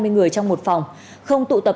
hai mươi người trong một phòng không tụ tập